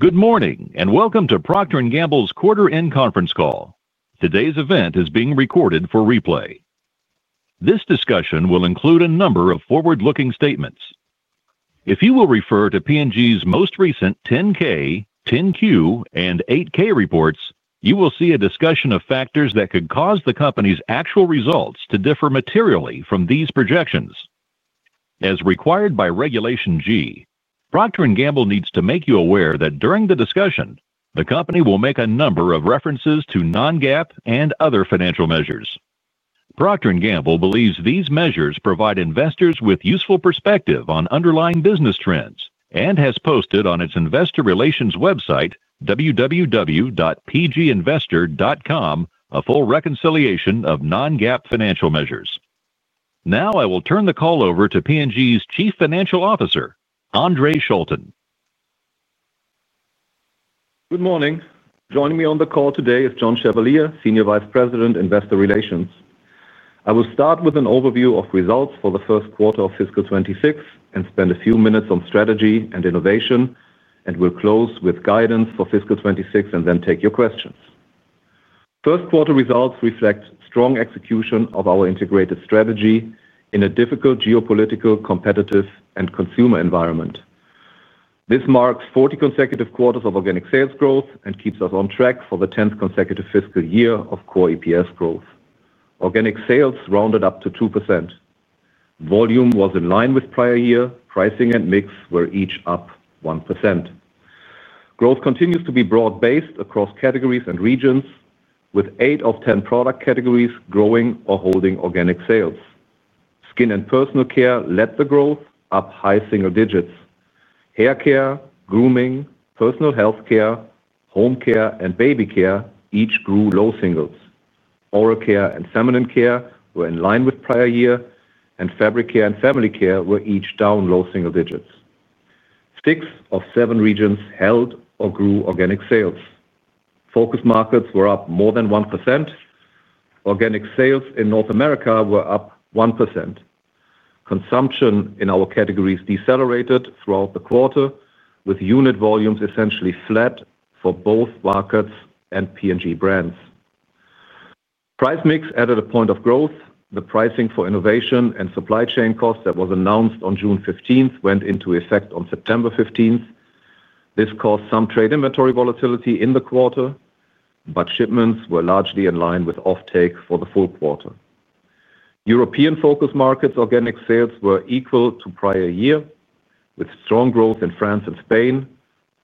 Good morning and welcome to Procter & Gamble's quarter-end conference call. Today's event is being recorded for replay. This discussion will include a number of forward-looking statements. If you will refer to P&G's most recent 10-K, 10-Q, and 8-K reports, you will see a discussion of factors that could cause the company's actual results to differ materially from these projections. As required by Regulation G, Procter & Gamble needs to make you aware that during the discussion, the company will make a number of references to non-GAAP and other financial measures. Procter & Gamble believes these measures provide investors with useful perspective on underlying business trends and has posted on its investor relations website, www.pginvestor.com, a full reconciliation of non-GAAP financial measures. Now, I will turn the call over to P&G's Chief Financial Officer, Andre Schulten. Good morning. Joining me on the call today is John Chevalier, Senior Vice President, Investor Relations. I will start with an overview of results for the first quarter of fiscal 2026 and spend a few minutes on strategy and innovation, and we'll close with guidance for fiscal 2026 and then take your questions. First quarter results reflect strong execution of our integrated strategy in a difficult geopolitical, competitive, and consumer environment. This marks 40 consecutive quarters of organic sales growth and keeps us on track for the 10th consecutive fiscal year of core EPS growth. Organic sales rounded up to 2%. Volume was in line with prior year. Pricing and mix were each up 1%. Growth continues to be broad-based across categories and regions, with 8 of 10 product categories growing or holding organic sales. Skin and personal care led the growth, up high single digits. Hair care, grooming, personal health care, home care, and baby care each grew low singles. Oral care and feminine care were in line with prior year, and fabric care and family care were each down low single digits. Six of seven regions held or grew organic sales. Focus markets were up more than 1%. Organic sales in North America were up 1%. Consumption in our categories decelerated throughout the quarter, with unit volumes essentially flat for both markets and P&G brands. Price mix added a point of growth. The pricing for innovation and supply chain cost that was announced on June 15 went into effect on September 15. This caused some trade inventory volatility in the quarter, but shipments were largely in line with offtake for the full quarter. European focus markets' organic sales were equal to prior year, with strong growth in France and Spain,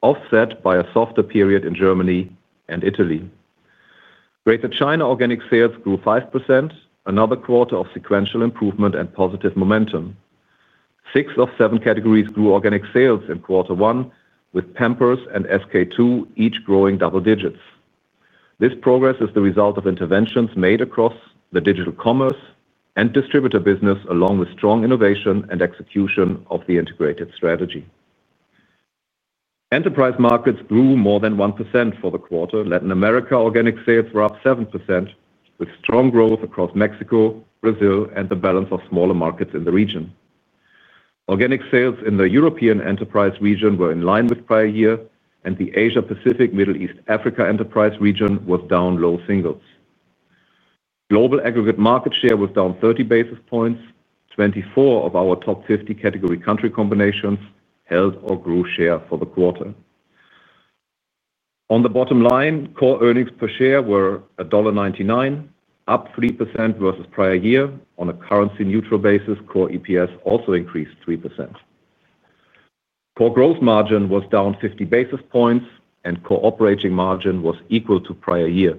offset by a softer period in Germany and Italy. Greater China organic sales grew 5%, another quarter of sequential improvement and positive momentum. Six of seven categories grew organic sales in quarter one, with Pampers and SK-II each growing double digits. This progress is the result of interventions made across the digital commerce and distributor business, along with strong innovation and execution of the integrated strategy. Enterprise markets grew more than 1% for the quarter. Latin America organic sales were up 7%, with strong growth across Mexico, Brazil, and the balance of smaller markets in the region. Organic sales in the European enterprise region were in line with prior year, and the Asia-Pacific, Middle East, and Africa enterprise region were down low singles. Global aggregate market share was down 30 basis points. 24 of our top 50 category country combinations held or grew share for the quarter. On the bottom line, core earnings per share were $1.99, up 3% versus prior year. On a currency-neutral basis, core EPS also increased 3%. Core gross margin was down 50 basis points, and core operating margin was equal to prior year.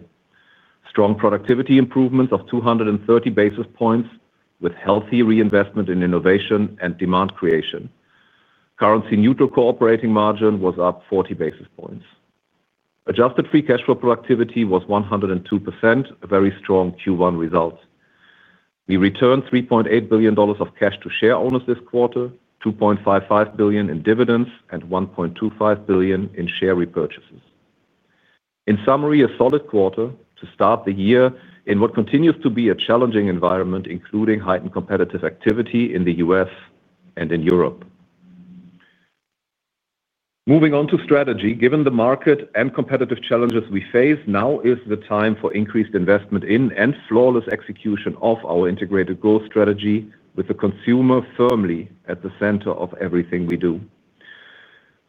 Strong productivity improvements of 230 basis points, with healthy reinvestment in innovation and demand creation. Currency-neutral core operating margin was up 40 basis points. Adjusted free cash flow productivity was 102%, a very strong Q1 result. We returned $3.8 billion of cash to shareholders this quarter, $2.55 billion in dividends, and $1.25 billion in share repurchases. In summary, a solid quarter to start the year in what continues to be a challenging environment, including heightened competitive activity in the U.S. and in Europe. Moving on to strategy, given the market and competitive challenges we face, now is the time for increased investment in and flawless execution of our integrated growth strategy, with the consumer firmly at the center of everything we do.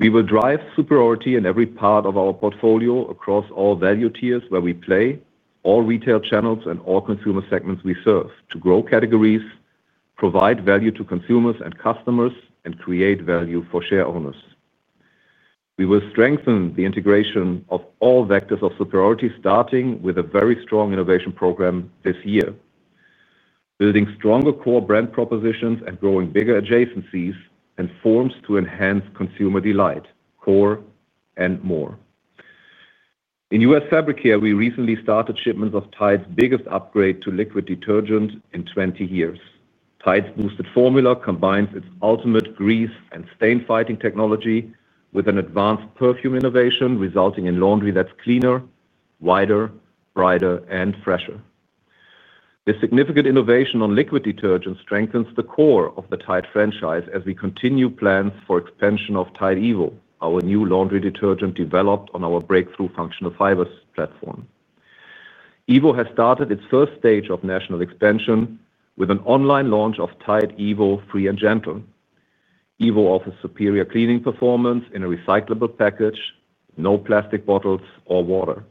We will drive superiority in every part of our portfolio across all value tiers where we play, all retail channels, and all consumer segments we serve to grow categories, provide value to consumers and customers, and create value for shareholders. We will strengthen the integration of all vectors of superiority, starting with a very strong innovation program this year, building stronger core brand propositions and growing bigger adjacencies and forms to enhance consumer delight, core, and more. In U.S. fabric care, we recently started shipments of Tide's biggest upgrade to liquid detergent in 20 years. Tide's boosted formula combines its ultimate grease and stain-fighting technology with an advanced perfume innovation, resulting in laundry that's cleaner, whiter, brighter, and fresher. This significant innovation on liquid detergent strengthens the core of the Tide franchise as we continue plans for expansion of Tide Evo, our new laundry detergent developed on our breakthrough functional fibers platform. Evo has started its first stage of national expansion with an online launch of Tide Evo Free and Gentle. Evo offers superior cleaning performance in a recyclable package, no plastic bottles or water.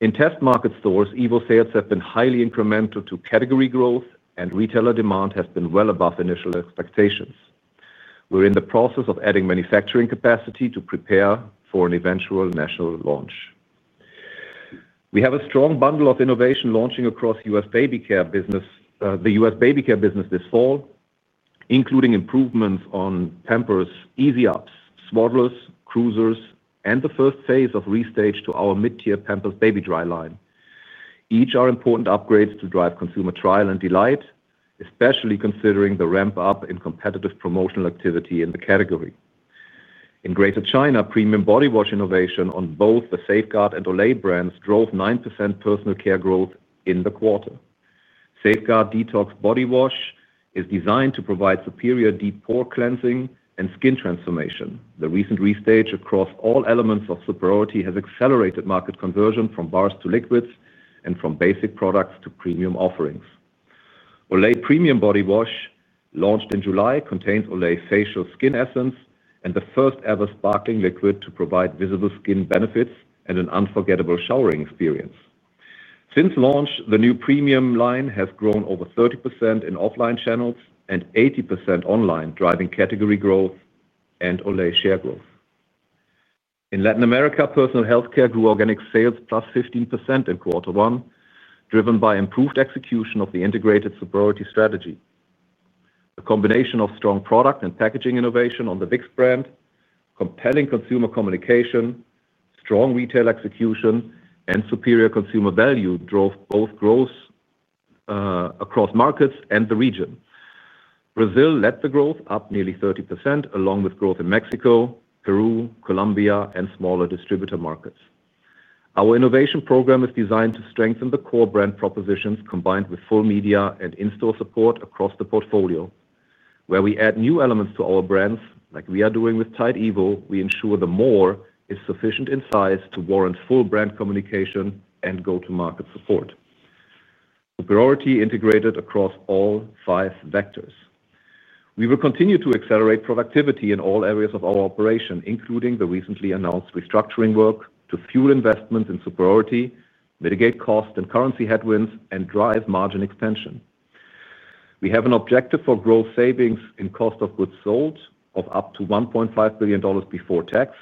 In test market stores, Evo sales have been highly incremental to category growth, and retailer demand has been well above initial expectations. We're in the process of adding manufacturing capacity to prepare for an eventual national launch. We have a strong bundle of innovation launching across the U.S. baby care business this fall, including improvements on Pampers, Easy-Ups, Swaddlers, Cruisers, and the first phase of restage to our mid-tier Pampers Baby Dry line. Each are important upgrades to drive consumer trial and delight, especially considering the ramp-up in competitive promotional activity in the category. In Greater China, premium body wash innovation on both the Safeguard and Olay brands drove 9% personal care growth in the quarter. Safeguard Detox body wash is designed to provide superior deep pore cleansing and skin transformation. The recent restage across all elements of superiority has accelerated market conversion from bars to liquids and from basic products to premium offerings. Olay Premium body wash, launched in July, contains Olay facial skin essence and the first-ever sparkling liquid to provide visible skin benefits and an unforgettable showering experience. Since launch, the new premium line has grown over 30% in offline channels and 80% online, driving category growth and Olay share growth. In Latin America, personal health care grew organic sales plus 15% in quarter one, driven by improved execution of the integrated superiority strategy. A combination of strong product and packaging innovation on the Vicks brand, compelling consumer communication, strong retail execution, and superior consumer value drove both growth across markets and the region. Brazil led the growth, up nearly 30%, along with growth in Mexico, Peru, Colombia, and smaller distributor markets. Our innovation program is designed to strengthen the core brand propositions, combined with full media and in-store support across the portfolio. Where we add new elements to our brands, like we are doing with Tide Evo, we ensure the more is sufficient in size to warrant full brand communication and go-to-market support. Superiority integrated across all five vectors. We will continue to accelerate productivity in all areas of our operation, including the recently announced restructuring work to fuel investments in superiority, mitigate cost and currency headwinds, and drive margin expansion. We have an objective for growth savings in cost of goods sold of up to $1.5 billion before tax,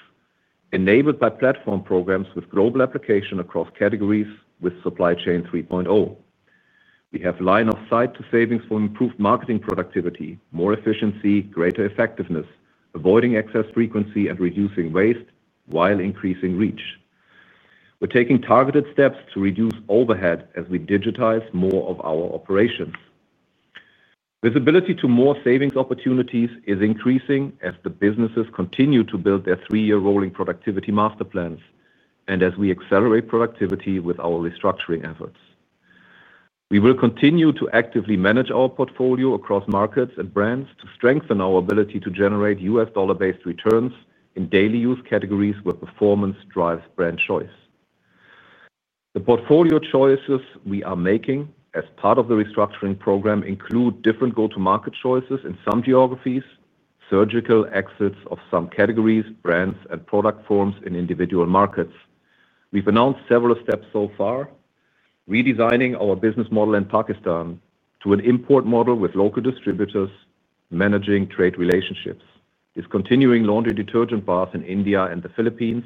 enabled by platform programs with global application across categories with Supply Chain 3.0. We have line-of-sight savings for improved marketing productivity, more efficiency, greater effectiveness, avoiding excess frequency, and reducing waste while increasing reach. We're taking targeted steps to reduce overhead as we digitize more of our operations. Visibility to more savings opportunities is increasing as the businesses continue to build their three-year rolling productivity master plans and as we accelerate productivity with our restructuring efforts. We will continue to actively manage our portfolio across markets and brands to strengthen our ability to generate U.S. dollar-based returns in daily use categories where performance drives brand choice. The portfolio choices we are making as part of the restructuring program include different go-to-market choices in some geographies, surgical exits of some categories, brands, and product forms in individual markets. We've announced several steps so far, redesigning our business model in Pakistan to an import model with local distributors, managing trade relationships, discontinuing laundry detergent bars in India and the Philippines,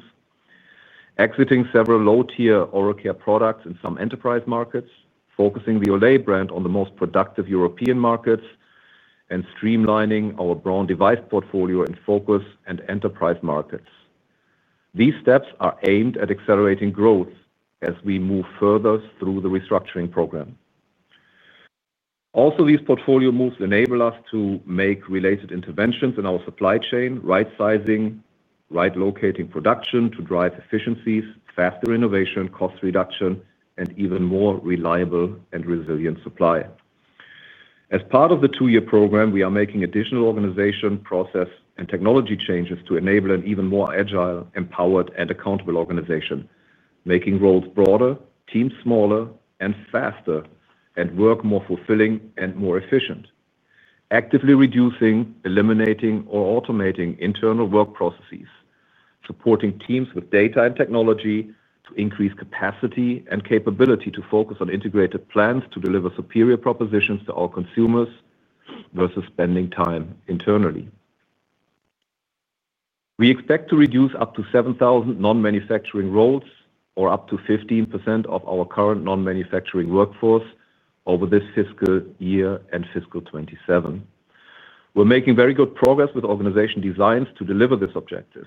exiting several low-tier oral care products in some enterprise markets, focusing the Olay brand on the most productive European markets, and streamlining our brown device portfolio in focus and enterprise markets. These steps are aimed at accelerating growth as we move further through the restructuring program. Also, these portfolio moves enable us to make related interventions in our supply chain, right-sizing, right-locating production to drive efficiencies, faster innovation, cost reduction, and even more reliable and resilient supply. As part of the two-year program, we are making additional organization, process, and technology changes to enable an even more agile, empowered, and accountable organization, making roles broader, teams smaller and faster, and work more fulfilling and more efficient, actively reducing, eliminating, or automating internal work processes, supporting teams with data and technology to increase capacity and capability to focus on integrated plans to deliver superior propositions to our consumers versus spending time internally. We expect to reduce up to 7,000 non-manufacturing roles or up to 15% of our current non-manufacturing workforce over this fiscal year and fiscal 2027. We're making very good progress with organization designs to deliver this objective.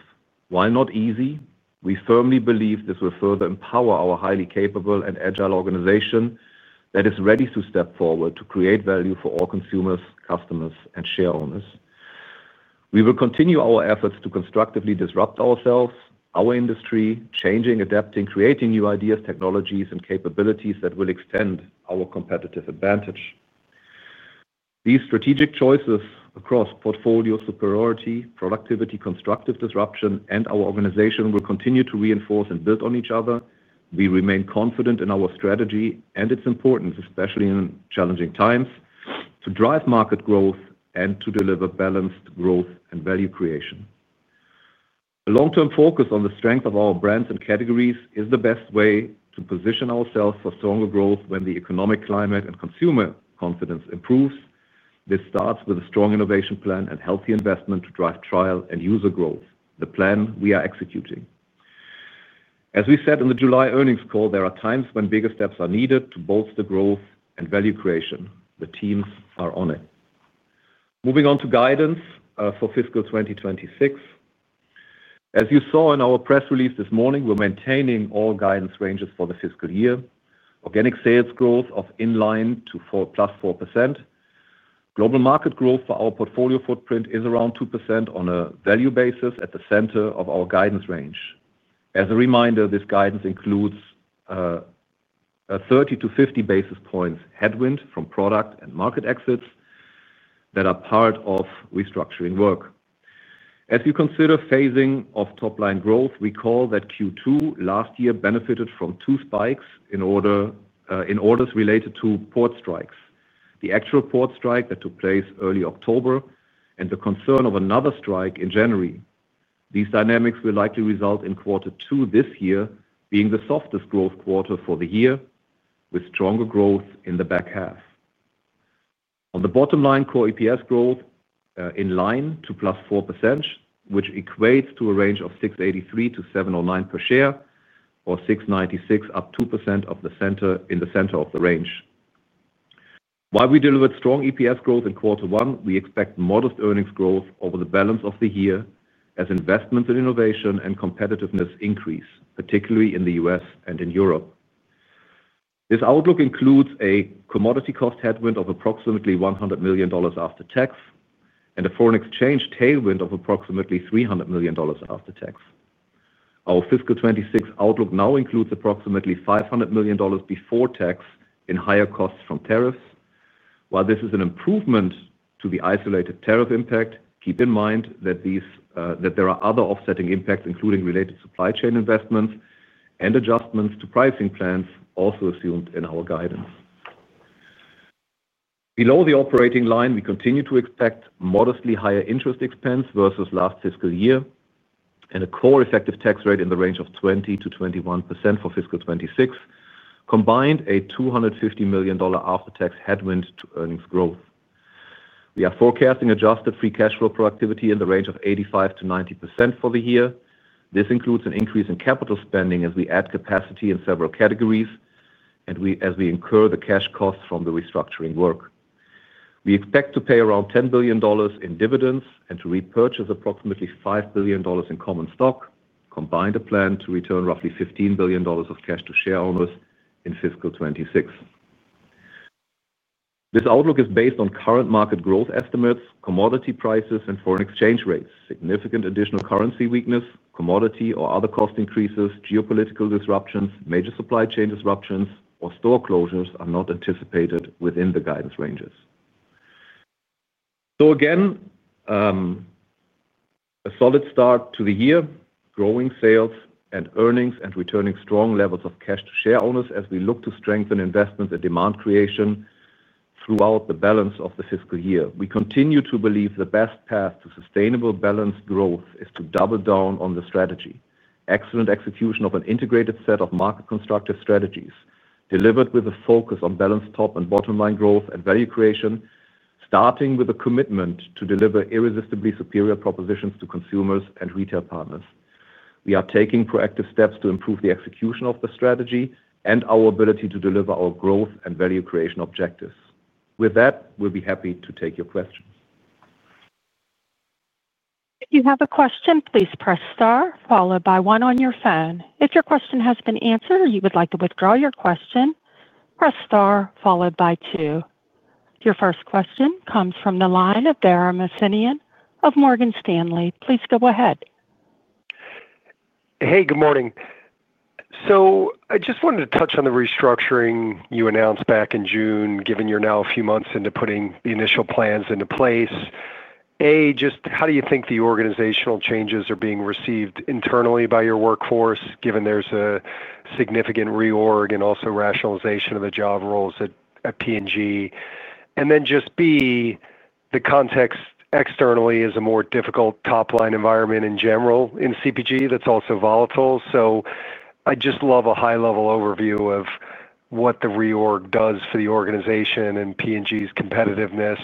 While not easy, we firmly believe this will further empower our highly capable and agile organization that is ready to step forward to create value for all consumers, customers, and shareholders. We will continue our efforts to constructively disrupt ourselves, our industry, changing, adapting, creating new ideas, technologies, and capabilities that will extend our competitive advantage. These strategic choices across portfolio superiority, productivity, constructive disruption, and our organization will continue to reinforce and build on each other. We remain confident in our strategy and its importance, especially in challenging times, to drive market growth and to deliver balanced growth and value creation. A long-term focus on the strength of our brands and categories is the best way to position ourselves for stronger growth when the economic climate and consumer confidence improves. This starts with a strong innovation plan and healthy investment to drive trial and user growth, the plan we are executing. As we said in the July earnings call, there are times when bigger steps are needed to bolster growth and value creation. The teams are on it. Moving on to guidance for fiscal 2026. As you saw in our press release this morning, we're maintaining all guidance ranges for the fiscal year. Organic sales growth of in line to plus 4%. Global market growth for our portfolio footprint is around 2% on a value basis at the center of our guidance range. As a reminder, this guidance includes 30 to 50 basis points headwind from product and market exits that are part of restructuring work. As you consider phasing of top-line growth, recall that Q2 last year benefited from two spikes in orders related to port strikes, the actual port strike that took place early October and the concern of another strike in January. These dynamics will likely result in quarter two this year being the softest growth quarter for the year, with stronger growth in the back half. On the bottom line, core EPS growth in line to plus 4%, which equates to a range of $6.83 to $7.09 per share or $6.96, up 2% in the center of the range. While we delivered strong EPS growth in quarter one, we expect modest earnings growth over the balance of the year as investments in innovation and competitiveness increase, particularly in the U.S. and in Europe. This outlook includes a commodity cost headwind of approximately $100 million after tax and a foreign exchange tailwind of approximately $300 million after tax. Our fiscal 2026 outlook now includes approximately $500 million before tax in higher costs from tariffs. While this is an improvement to the isolated tariff impact, keep in mind that there are other offsetting impacts, including related supply chain investments and adjustments to pricing plans also assumed in our guidance. Below the operating line, we continue to expect modestly higher interest expense versus last fiscal year and a core effective tax rate in the range of 20% to 21% for fiscal 2026, combined a $250 million after-tax headwind to earnings growth. We are forecasting adjusted free cash flow productivity in the range of 85% to 90% for the year. This includes an increase in capital spending as we add capacity in several categories and as we incur the cash costs from the restructuring work. We expect to pay around $10 billion in dividends and to repurchase approximately $5 billion in common stock, combined a plan to return roughly $15 billion of cash to shareholders in fiscal 2026. This outlook is based on current market growth estimates, commodity prices, and foreign exchange rates. Significant additional currency weakness, commodity or other cost increases, geopolitical disruptions, major supply chain disruptions, or store closures are not anticipated within the guidance ranges. A solid start to the year, growing sales and earnings, and returning strong levels of cash to shareholders as we look to strengthen investments and demand creation throughout the balance of the fiscal year. We continue to believe the best path to sustainable balanced growth is to double down on the strategy. Excellent execution of an integrated set of market constructive strategies delivered with a focus on balanced top and bottom line growth and value creation, starting with a commitment to deliver irresistibly superior propositions to consumers and retail partners. We are taking proactive steps to improve the execution of the strategy and our ability to deliver our growth and value creation objectives. With that, we'll be happy to take your questions. If you have a question, please press star, followed by one on your phone. If your question has been answered or you would like to withdraw your question, press star, followed by two. Your first question comes from the line of Dara Mohsenian of Morgan Stanley. Please go ahead. Hey, good morning. I just wanted to touch on the restructuring you announced back in June, given you're now a few months into putting the initial plans into place. A, just how do you think the organizational changes are being received internally by your workforce, given there's a significant reorg and also rationalization of the job roles at Procter & Gamble? Just B, the context externally is a more difficult top-line environment in general in CPG that's also volatile. I'd just love a high-level overview of what the reorg does for the organization and Procter & Gamble's competitiveness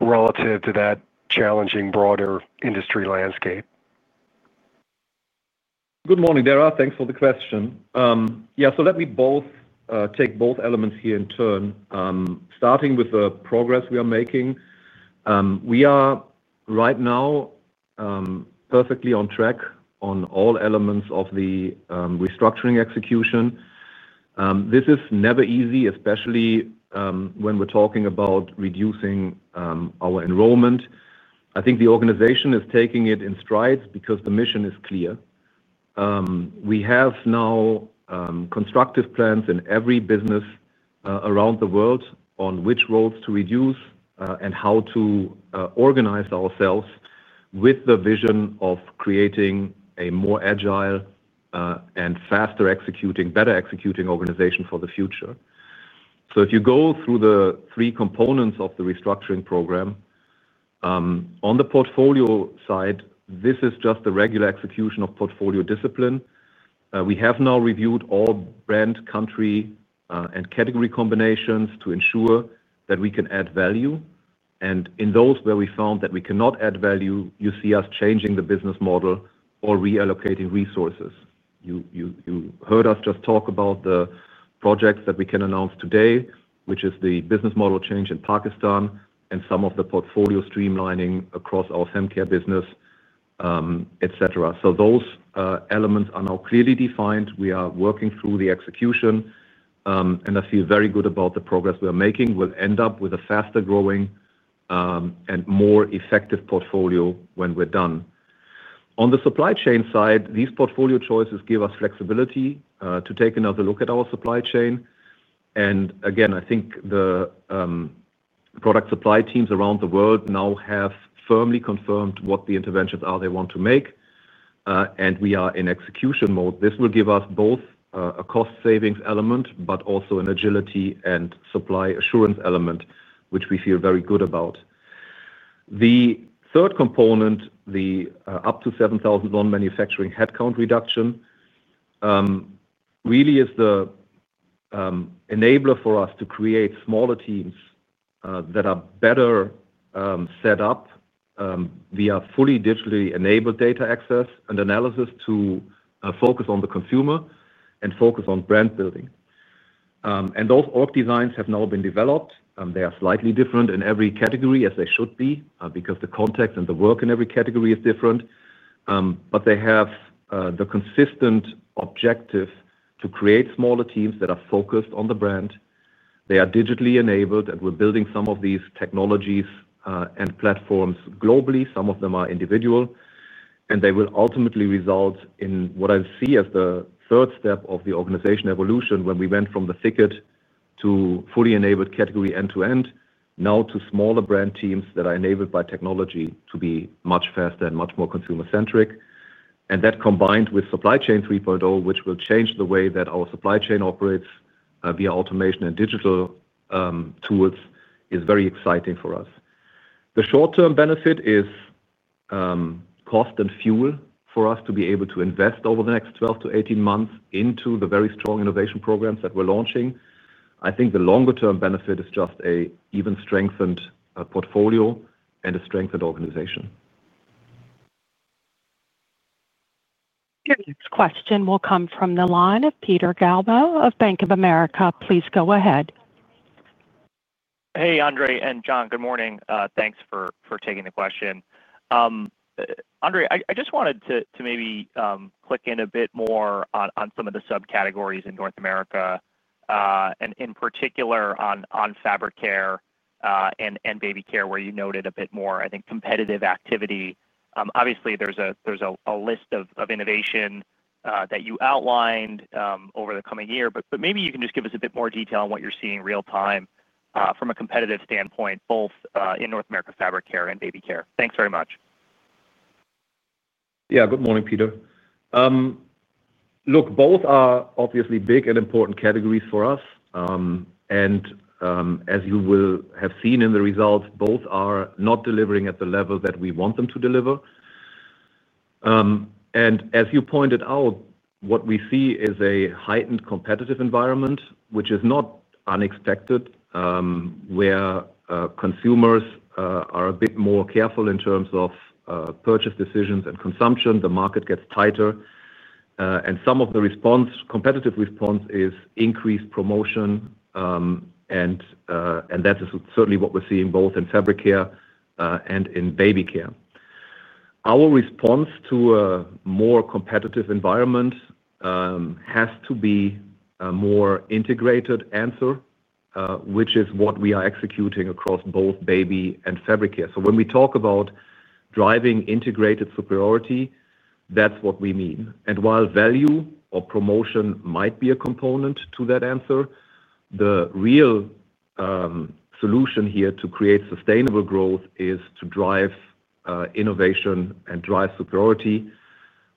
relative to that challenging broader industry landscape. Good morning, Dara. Thanks for the question. Let me take both elements here in turn, starting with the progress we are making. We are right now perfectly on track on all elements of the restructuring execution. This is never easy, especially when we're talking about reducing our enrollment. I think the organization is taking it in strides because the mission is clear. We have now constructive plans in every business around the world on which roles to reduce and how to organize ourselves with the vision of creating a more agile and faster executing, better executing organization for the future. If you go through the three components of the restructuring program, on the portfolio side, this is just the regular execution of portfolio discipline. We have now reviewed all brand, country, and category combinations to ensure that we can add value. In those where we found that we cannot add value, you see us changing the business model or reallocating resources. You heard us just talk about the projects that we can announce today, which is the business model change in Pakistan and some of the portfolio streamlining across our healthcare business, etc. Those elements are now clearly defined. We are working through the execution, and I feel very good about the progress we are making. We will end up with a faster growing and more effective portfolio when we're done. On the supply chain side, these portfolio choices give us flexibility to take another look at our supply chain. I think the product supply teams around the world now have firmly confirmed what the interventions are they want to make, and we are in execution mode. This will give us both a cost-savings element and also an agility and supply assurance element, which we feel very good about. The third component, the up to 7,000 non-manufacturing headcount reduction, really is the enabler for us to create smaller teams that are better set up via fully digitally enabled data access and analysis to focus on the consumer and focus on brand building. Those org designs have now been developed. They are slightly different in every category, as they should be, because the context and the work in every category is different. They have the consistent objective to create smaller teams that are focused on the brand. They are digitally enabled, and we're building some of these technologies and platforms globally. Some of them are individual, and they will ultimately result in what I see as the third step of the organization evolution when we went from the thicket to fully enabled category end-to-end, now to smaller brand teams that are enabled by technology to be much faster and much more consumer-centric. That, combined with Supply Chain 3.0, which will change the way that our supply chain operates via automation and digital tools, is very exciting for us. The short-term benefit is cost and fuel for us to be able to invest over the next 12 to 18 months into the very strong innovation programs that we're launching. I think the longer-term benefit is just an even strengthened portfolio and a strengthened organization. Next question will come from the line of Peter Galbo of Bank of America. Please go ahead. Hey, Andre and John. Good morning. Thanks for taking the question. Andre, I just wanted to maybe click in a bit more on some of the subcategories in North America, and in particular on fabric care and baby care, where you noted a bit more, I think, competitive activity. Obviously, there's a list of innovation that you outlined over the coming year, but maybe you can just give us a bit more detail on what you're seeing real-time from a competitive standpoint, both in North America fabric care and baby care. Thanks very much. Good morning, Peter. Both are obviously big and important categories for us. As you will have seen in the results, both are not delivering at the level that we want them to deliver. As you pointed out, what we see is a heightened competitive environment, which is not unexpected, where consumers are a bit more careful in terms of purchase decisions and consumption. The market gets tighter, and some of the competitive response is increased promotion, and that is certainly what we're seeing both in fabric care and in baby care. Our response to a more competitive environment has to be a more integrated answer, which is what we are executing across both baby and fabric care. When we talk about driving integrated superiority, that's what we mean. While value or promotion might be a component to that answer, the real solution here to create sustainable growth is to drive innovation and drive superiority,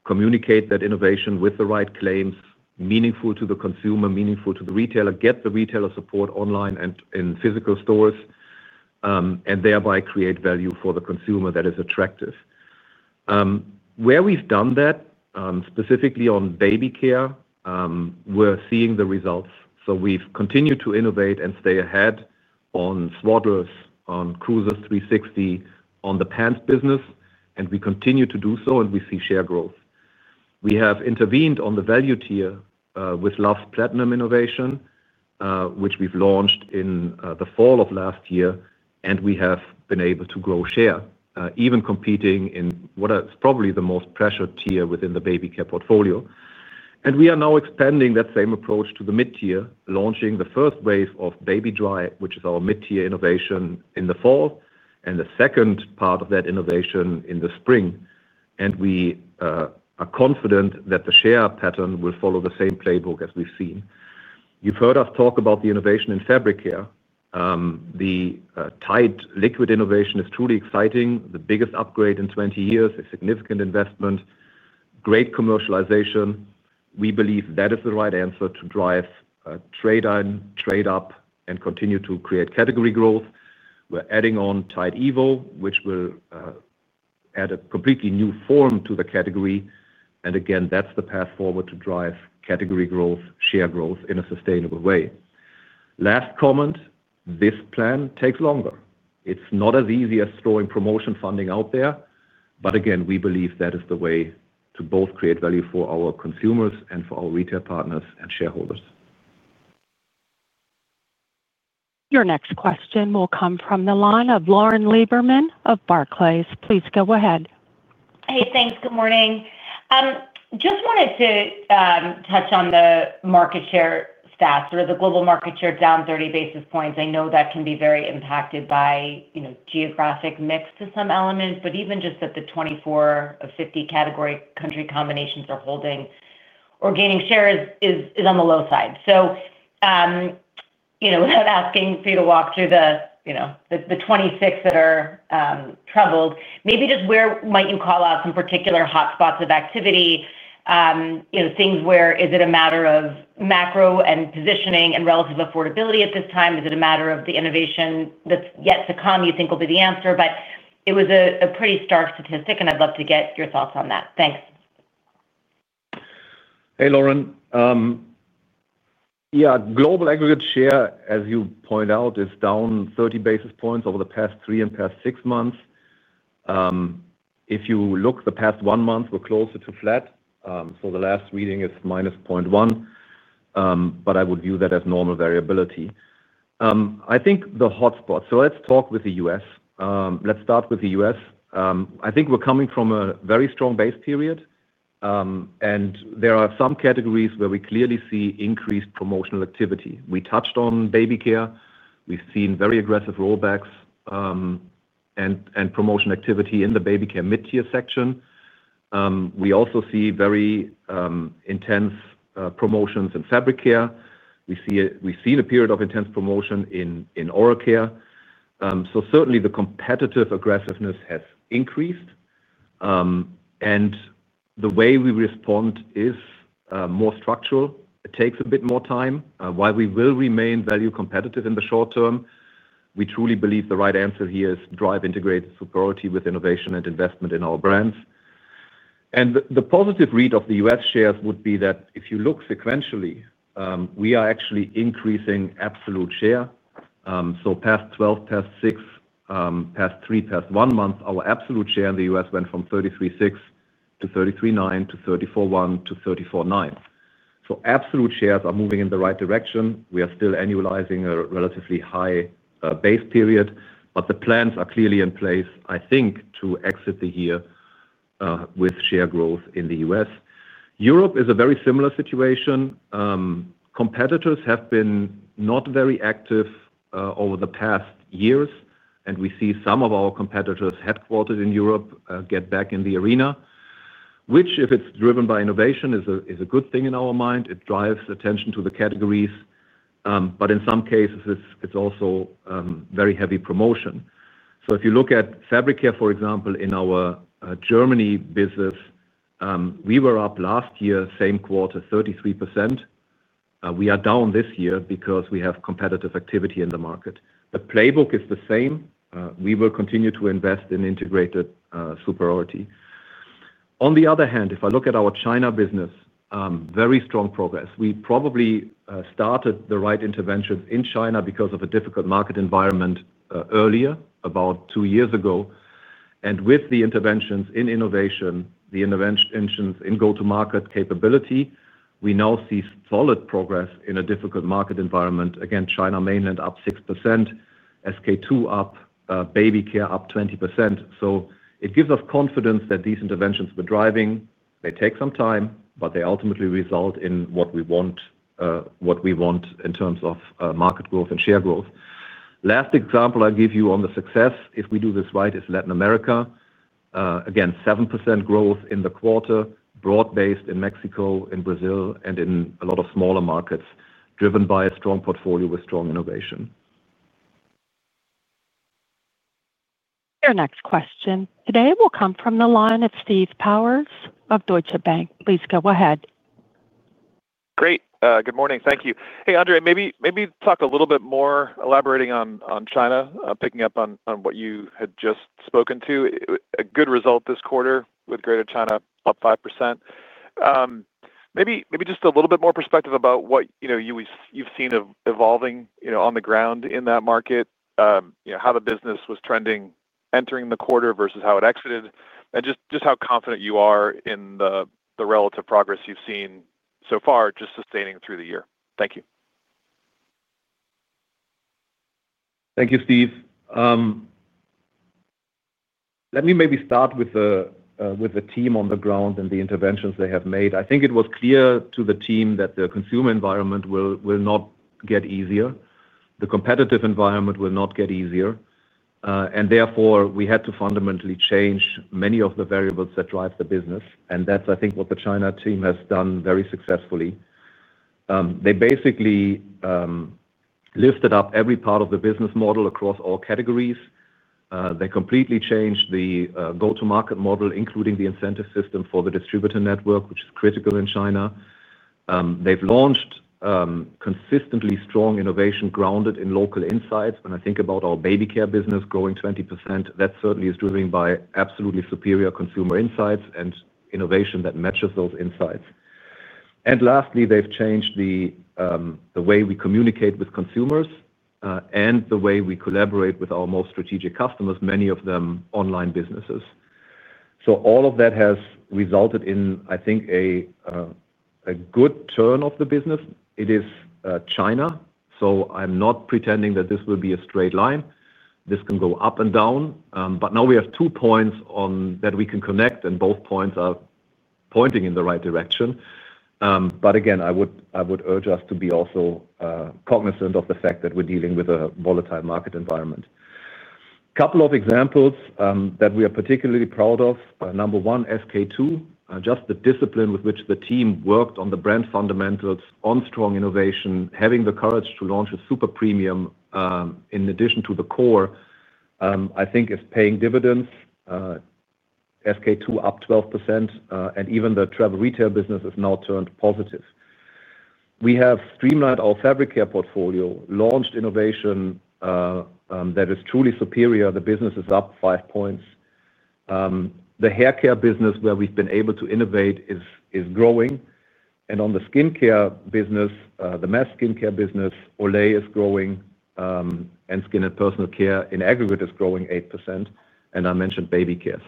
communicate that innovation with the right claims, meaningful to the consumer, meaningful to the retailer, get the retailer support online and in physical stores, and thereby create value for the consumer that is attractive. Where we've done that, specifically on baby care, we're seeing the results. We've continued to innovate and stay ahead on Swaddlers, on Cruisers 360, on the pants business, and we continue to do so, and we see share growth. We have intervened on the value tier with Luvs Platinum Innovation, which we've launched in the fall of last year, and we have been able to grow share, even competing in what is probably the most pressured tier within the baby care portfolio. We are now expanding that same approach to the mid-tier, launching the first wave of Baby Dry, which is our mid-tier innovation in the fall, and the second part of that innovation in the spring. We are confident that the share pattern will follow the same playbook as we've seen. You've heard us talk about the innovation in fabric care. The Tide liquid innovation is truly exciting, the biggest upgrade in 20 years, a significant investment, great commercialization. We believe that is the right answer to drive trade-in, trade-up, and continue to create category growth. We're adding on Tide Evo, which will add a completely new form to the category. That is the path forward to drive category growth, share growth in a sustainable way. Last comment, this plan takes longer. It's not as easy as throwing promotion funding out there, but we believe that is the way to both create value for our consumers and for our retail partners and shareholders. Your next question will come from the line of Lauren Lieberman of Barclays. Please go ahead. Hey, thanks. Good morning. Just wanted to touch on the market share stats or the global market share down 30 basis points. I know that can be very impacted by geographic mix to some elements, but even just that the 24 of 50 category country combinations are holding or gaining shares is on the low side. Without asking for you to walk through the 26 that are troubled, maybe just where might you call out some particular hotspots of activity, things where is it a matter of macro and positioning and relative affordability at this time? Is it a matter of the innovation that's yet to come you think will be the answer? It was a pretty stark statistic, and I'd love to get your thoughts on that. Thanks. Hey, Lauren. Yeah, the global aggregate share, as you point out, is down 30 basis points over the past three and past six months. If you look at the past one month, we're closer to flat. The last reading is minus 0.1%, but I would view that as normal variability. I think the hotspots, let's talk with the U.S. Let's start with the U.S. I think we're coming from a very strong base period, and there are some categories where we clearly see increased promotional activity. We touched on baby care. We've seen very aggressive rollbacks and promotional activity in the baby care mid-tier section. We also see very intense promotions in fabric care. We've seen a period of intense promotion in oral care. Certainly, the competitive aggressiveness has increased, and the way we respond is more structural. It takes a bit more time. While we will remain value competitive in the short term, we truly believe the right answer here is to drive integrated superiority with innovation and investment in our brands. The positive read of the U.S. shares would be that if you look sequentially, we are actually increasing absolute share. Past 12, past 6, past 3, past 1 month, our absolute share in the U.S. went from 33.6% to 33.9% to 34.1% to 34.9%. Absolute shares are moving in the right direction. We are still annualizing a relatively high base period, but the plans are clearly in place, I think, to exit the year with share growth in the U.S. Europe is a very similar situation. Competitors have been not very active over the past years, and we see some of our competitors headquartered in Europe get back in the arena, which, if it's driven by innovation, is a good thing in our mind. It drives attention to the categories, but in some cases, it's also very heavy promotion. If you look at fabric care, for example, in our Germany business, we were up last year, same quarter, 33%. We are down this year because we have competitive activity in the market. The playbook is the same. We will continue to invest in integrated superiority. On the other hand, if I look at our China business, very strong progress. We probably started the right interventions in China because of a difficult market environment earlier, about two years ago. With the interventions in innovation, the interventions in go-to-market capability, we now see solid progress in a difficult market environment. Again, China mainland up 6%, SK-II up, baby care up 20%. It gives us confidence that these interventions were driving. They take some time, but they ultimately result in what we want in terms of market growth and share growth. Last example I give you on the success, if we do this right, is Latin America. Again, 7% growth in the quarter, broad-based in Mexico, in Brazil, and in a lot of smaller markets, driven by a strong portfolio with strong innovation. Your next question today will come from the line of Steve Powers of Deutsche Bank. Please go ahead. Great. Good morning. Thank you. Hey, Andre, maybe talk a little bit more elaborating on China, picking up on what you had just spoken to. A good result this quarter with Greater China up 5%. Maybe just a little bit more perspective about what you've seen evolving on the ground in that market, how the business was trending entering the quarter versus how it exited, and just how confident you are in the relative progress you've seen so far just sustaining through the year. Thank you. Thank you, Steve. Let me maybe start with the team on the ground and the interventions they have made. I think it was clear to the team that the consumer environment will not get easier. The competitive environment will not get easier. Therefore, we had to fundamentally change many of the variables that drive the business. That's, I think, what the China team has done very successfully. They basically lifted up every part of the business model across all categories. They completely changed the go-to-market model, including the incentive system for the distributor network, which is critical in China. They've launched consistently strong innovation grounded in local insights. When I think about our baby care business growing 20%, that certainly is driven by absolutely superior consumer insights and innovation that matches those insights. Lastly, they've changed the way we communicate with consumers and the way we collaborate with our most strategic customers, many of them online businesses. All of that has resulted in, I think, a good turn of the business. It is China. I'm not pretending that this will be a straight line. This can go up and down. Now we have two points that we can connect, and both points are pointing in the right direction. Again, I would urge us to be also cognizant of the fact that we're dealing with a volatile market environment. A couple of examples that we are particularly proud of. Number one, SK-II, just the discipline with which the team worked on the brand fundamentals. On strong innovation, having the courage to launch a super premium in addition to the core, I think, is paying dividends. SK-II up 12%, and even the travel retail business has now turned positive. We have streamlined our fabric care portfolio, launched innovation that is truly superior. The business is up 5 points. The hair care business, where we've been able to innovate, is growing. On the skincare business, the mass skincare business, Olay is growing, and Skin and Personal Care in aggregate is growing 8%. I mentioned baby care.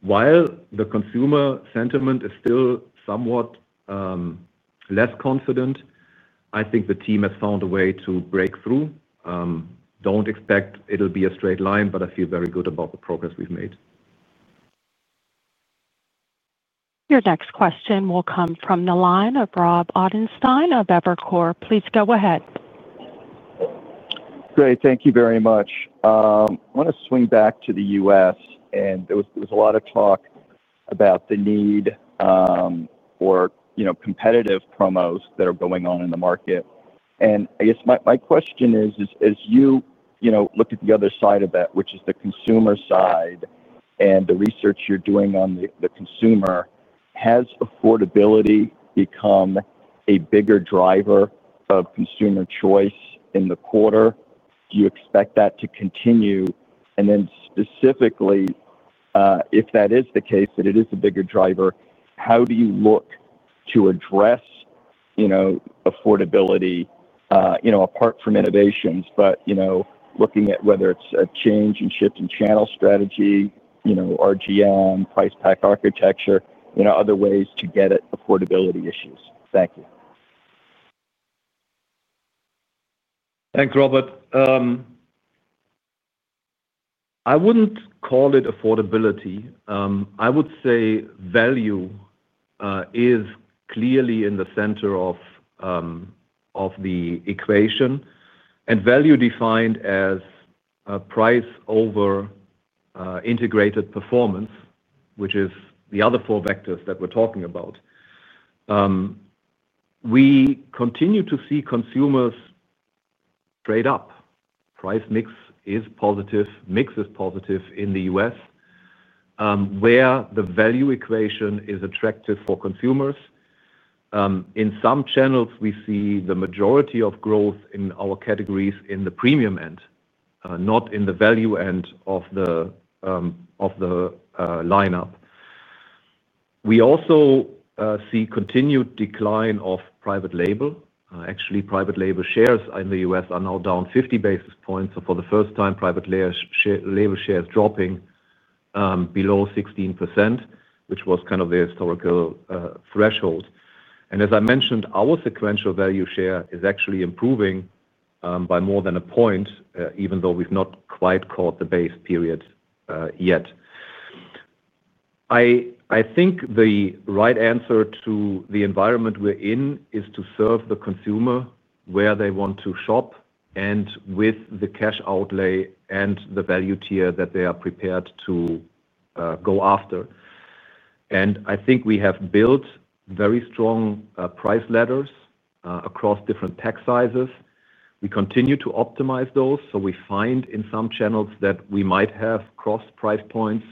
While the consumer sentiment is still somewhat less confident, I think the team has found a way to break through. Don't expect it'll be a straight line, but I feel very good about the progress we've made. Your next question will come from the line of Rob Ottenstein of Evercore. Please go ahead. Great. Thank you very much. I want to swing back to the U.S., and there was a lot of talk about the need for competitive promos that are going on in the market. I guess my question is, as you look at the other side of that, which is the consumer side and the research you're doing on the consumer, has affordability become a bigger driver of consumer choice in the quarter? Do you expect that to continue? Specifically, if that is the case, that it is a bigger driver, how do you look to address affordability apart from innovations, but looking at whether it's a change and shift in channel strategy, RGM, price pack architecture, or other ways to get at affordability issues? Thank you. Thanks, Robert. I wouldn't call it affordability. I would say value is clearly in the center of the equation, and value defined as price over integrated performance, which is the other four vectors that we're talking about. We continue to see consumers trade up. Price mix is positive. Mix is positive in the U.S., where the value equation is attractive for consumers. In some channels, we see the majority of growth in our categories in the premium end, not in the value end of the lineup. We also see continued decline of private label. Actually, private label shares in the U.S. are now down 50 basis points. For the first time, private label shares are dropping below 16%, which was kind of the historical threshold. As I mentioned, our sequential value share is actually improving by more than a point, even though we've not quite caught the base period yet. I think the right answer to the environment we're in is to serve the consumer where they want to shop and with the cash outlay and the value tier that they are prepared to go after. I think we have built very strong price ladders across different pack sizes. We continue to optimize those. We find in some channels that we might have cross price points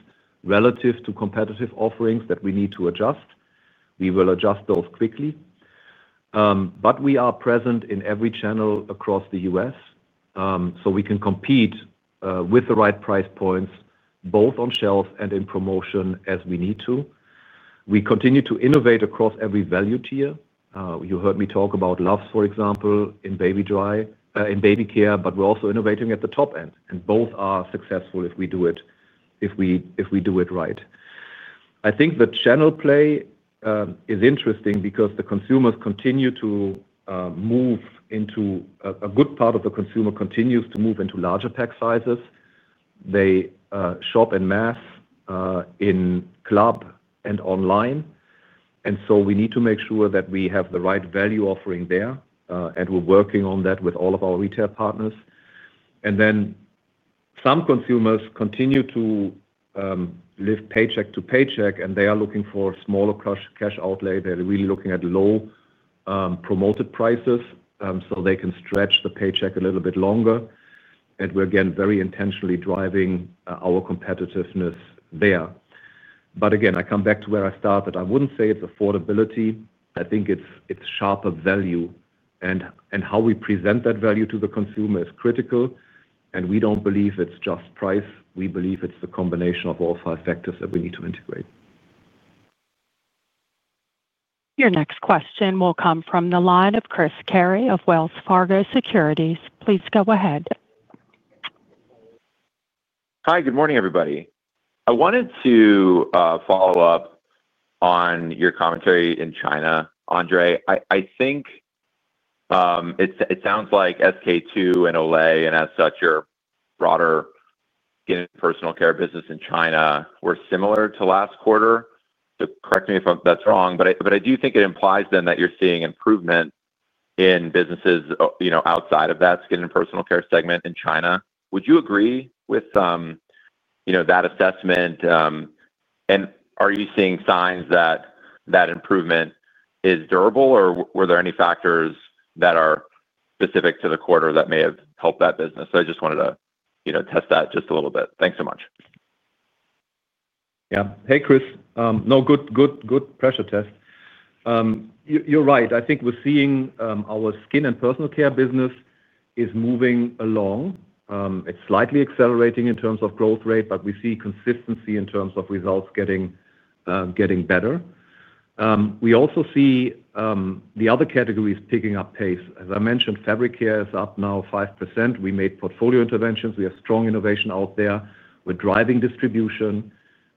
relative to competitive offerings that we need to adjust. We will adjust those quickly. We are present in every channel across the U.S., so we can compete with the right price points both on shelves and in promotion as we need to. We continue to innovate across every value tier. You heard me talk about Luvs, for example, in baby care, but we're also innovating at the top end, and both are successful if we do it right. I think the channel play is interesting because the consumers continue to move into a good part of the consumer continues to move into larger pack sizes. They shop en masse in club and online. We need to make sure that we have the right value offering there, and we're working on that with all of our retail partners. Some consumers continue to live paycheck to paycheck, and they are looking for a smaller cash outlay. They're really looking at low promoted prices so they can stretch the paycheck a little bit longer. We're, again, very intentionally driving our competitiveness there. I come back to where I started. I wouldn't say it's affordability. I think it's sharper value, and how we present that value to the consumer is critical. We don't believe it's just price. We believe it's the combination of all five factors that we need to integrate. Your next question will come from the line of Chris Carey of Wells Fargo Securities. Please go ahead. Hi, good morning, everybody. I wanted to follow up on your commentary in China, Andre. I think it sounds like SK-II and Olay, and as such, your broader Skin and Personal Care business in China were similar to last quarter. Correct me if that's wrong, but I do think it implies that you're seeing improvement in businesses outside of that Skin and Personal Care segment in China. Would you agree with that assessment? Are you seeing signs that improvement is durable, or were there any factors that are specific to the quarter that may have helped that business? I just wanted to test that a little bit. Thanks so much. Yeah. Hey, Chris. No, good pressure test. You're right. I think we're seeing our Skin and Personal Care business is moving along. It's slightly accelerating in terms of growth rate, but we see consistency in terms of results getting better. We also see the other categories picking up pace. As I mentioned, fabric care is up now 5%. We made portfolio interventions. We have strong innovation out there. We're driving distribution.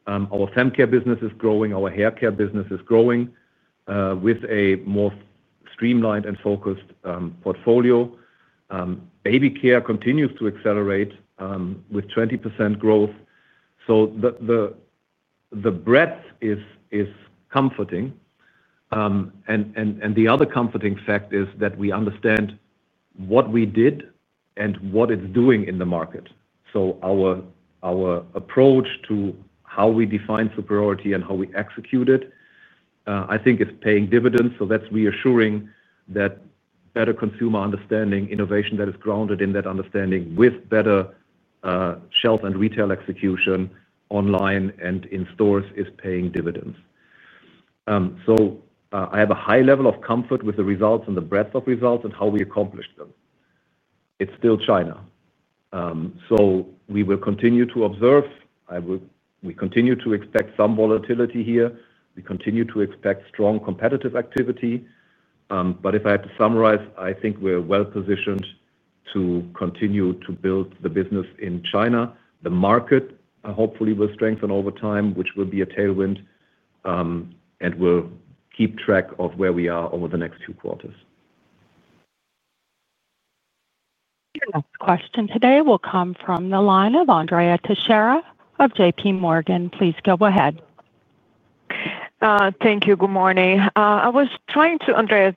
Our fem care business is growing. Our hair care business is growing with a more streamlined and focused portfolio. Baby care continues to accelerate with 20% growth. The breadth is comforting. The other comforting fact is that we understand what we did and what it's doing in the market. Our approach to how we define superiority and how we execute it, I think, is paying dividends. That's reassuring that better consumer understanding, innovation that is grounded in that understanding with better shelf and retail execution online and in stores is paying dividends. I have a high level of comfort with the results and the breadth of results and how we accomplished them. It's still China. We will continue to observe. We continue to expect some volatility here. We continue to expect strong competitive activity. If I had to summarize, I think we're well positioned to continue to build the business in China. The market hopefully will strengthen over time, which will be a tailwind, and we'll keep track of where we are over the next few quarters. Your next question today will come from the line of Andrea Teixeira of JP Morgan. Please go ahead. Thank you. Good morning. I was trying to, Andrea,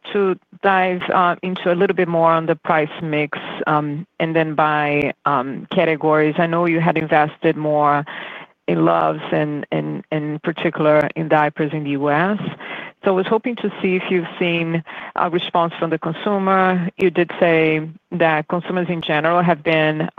dive into a little bit more on the price mix and then by categories. I know you had invested more in Luvs and in particular in diapers in the U.S. I was hoping to see if you've seen a response from the consumer. You did say that consumers in general have been